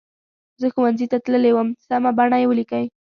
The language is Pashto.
زه ښوونځي ته تللې وم سمه بڼه یې ولیکئ.